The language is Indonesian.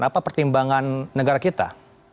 apa pertimbangan negara kita